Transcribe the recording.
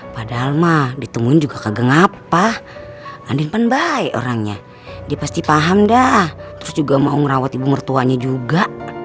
padahal ma ditemuin juga kagak ngapa andin kan baik orangnya dia pasti paham dah terus juga mau ngerawat ibu mertuanya juga